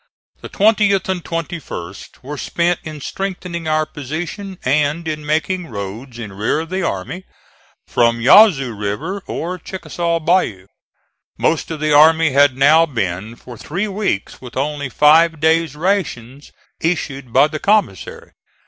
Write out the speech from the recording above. The 20th and 21st were spent in strengthening our position and in making roads in rear of the army, from Yazoo River or Chickasaw Bayou. Most of the army had now been for three weeks with only five days' rations issued by the commissary.